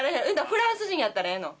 フランス人やったらええの？